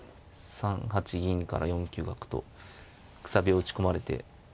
３八銀から４九角とくさびを打ち込まれて。